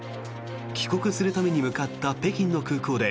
帰国するために向かった北京の空港で